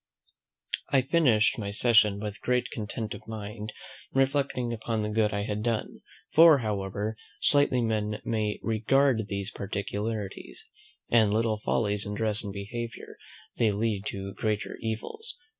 I finished my session with great content of mind, reflecting upon the good I had done; for, however slightly men may regard these particularities, "and little follies in dress and behaviour, they lead to greater evils.